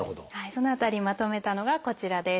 その辺りまとめたのがこちらです。